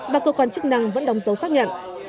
và cơ quan chức năng vẫn đóng dấu xác nhận